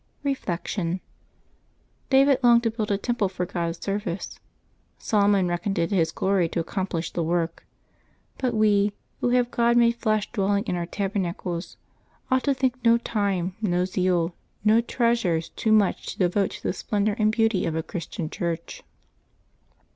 Reflection. — ^David longed to build a temple for God's service. Solomon reckoned it his glory to accomplish the work. But we, who have God made flesh dwelling in our tabernacles, ought to think no time, no zeal, no treasures too much to devote to the splendor and beauty of a Chris tian church.